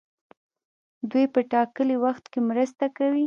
دوی په ټاکلي وخت کې مرسته کوي.